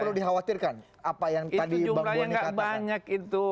itu jumlahnya nggak banyak itu